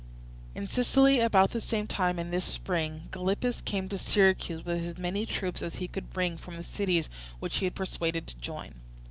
In Sicily, about the same time in this spring, Gylippus came to Syracuse with as many troops as he could bring from the cities which he had persuaded to join.